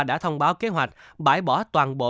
đã thông báo kế hoạch bãi bỏ toàn bộ